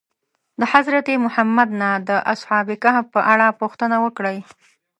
د حضرت محمد نه د اصحاب کهف په اړه پوښتنه وکړئ.